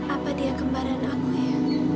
apa dia kembaran aku ya